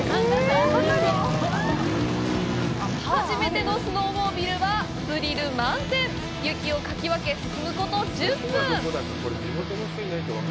初めてのスノーモービルは、スリル満点雪をかき分け進むこと１０分。